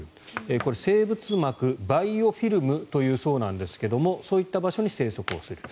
これは生物膜、バイオフィルムというそうなんですがそういった場所に生息すると。